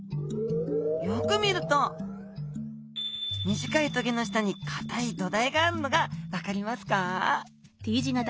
よく見ると短い棘の下にかたい土台があるのが分かりますか？